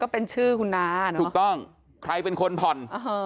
ถูกต้องใครเป็นคนผ่อน